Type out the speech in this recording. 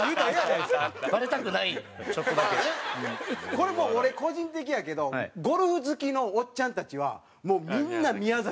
これもう俺個人的やけどゴルフ好きのおっちゃんたちはもうみんな宮崎。